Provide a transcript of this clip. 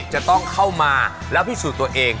จะต้องเข้ามาแล้วพิสูจน์ตัวเอง